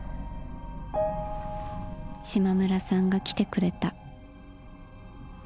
島村さんが来てくれた。